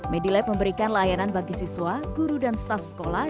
medilab memberikan layanan bagi siswa guru dan staff sekolah